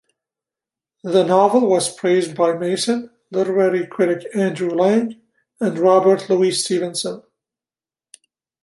The novel was praised by Mason, literary critic Andrew Lang, and Robert Louis Stevenson.